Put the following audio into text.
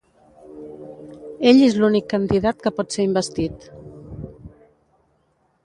Ell és l'únic candidat que pot ser investit.